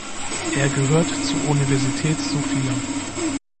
Er gehört zur Universität Sofia.